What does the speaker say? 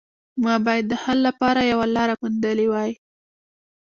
ما باید د حل لپاره یوه لاره موندلې وای